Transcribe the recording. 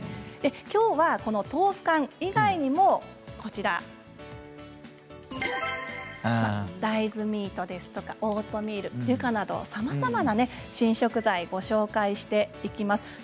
きょうは豆腐干以外にも大豆ミートですとかオートミールデュカなど、さまざまな新食材をご紹介していきます。